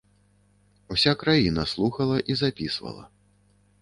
Уся краіна слухала і запісвала.